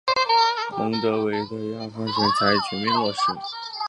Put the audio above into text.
蒙得维的亚才全方位的开始落后。